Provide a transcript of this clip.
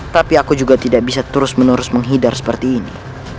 tapi aku juga tidak bisa terus menerus menghidar seperti ini